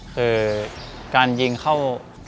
คือการยิงเข้า